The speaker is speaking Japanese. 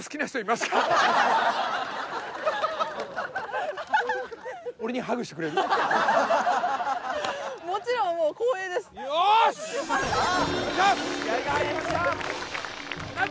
さあ気合が入りました。